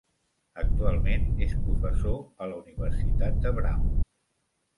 Actualment és professor a la Universitat de Brown.